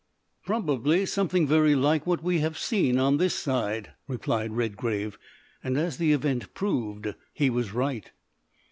"Probably something very like what we have seen on this side," replied Redgrave, and as the event proved, he was right.